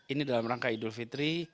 ini dalam rangka idul fitri